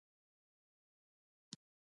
دوی د ځنګلي ژوند ساتنه کوي.